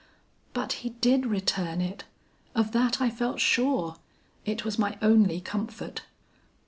"But he did return it; of that I felt sure. It was my only comfort.